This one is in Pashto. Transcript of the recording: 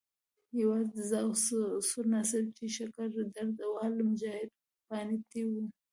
یوازې زه او سور ناصر چې شکر درده وال مجاهد وو پاتې وو.